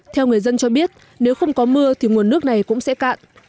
theo người dân cho biết nếu không có mưa thì nguồn nước này cũng sẽ cạn